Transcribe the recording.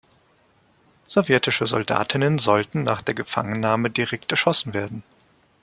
Sowjetische Soldatinnen sollten nach der Gefangennahme direkt erschossen werden.